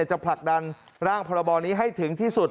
จะผลักดันร่างพรบนี้ให้ถึงที่สุด